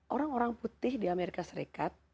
orang orang putih di amerika serikat